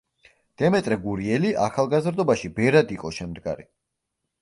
დემეტრე გურიელი ახალგაზრდობაში ბერად იყო შემდგარი.